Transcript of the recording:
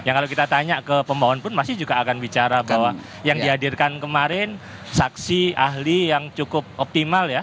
yang kalau kita tanya ke pemohon pun pasti juga akan bicara bahwa yang dihadirkan kemarin saksi ahli yang cukup optimal ya